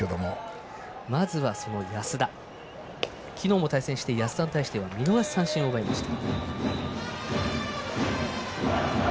昨日も対戦して安田に対しては見逃し三振を奪いました。